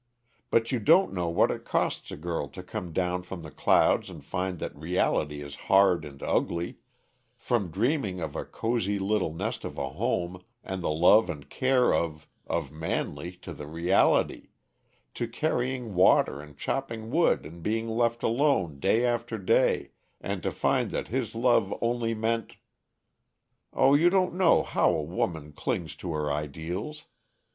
But you don't know what it costs a girl to come down from the clouds and find that reality is hard and ugly from dreaming of a cozy little nest of a home, and the love and care of of Manley, to the reality to carrying water and chopping wood and being left alone, day after day, and to find that his love only meant Oh, you don't know how a woman clings to her ideals!